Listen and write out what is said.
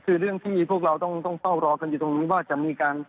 คือเรื่องที่พวกเราต้องเฝ้ารอกันอยู่ตรงนี้ว่าจะมีการ